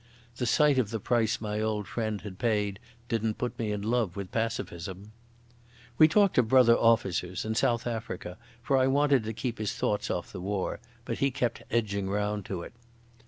The sight of the price my old friend had paid didn't put me in love with pacificism. We talked of brother officers and South Africa, for I wanted to keep his thoughts off the war, but he kept edging round to it.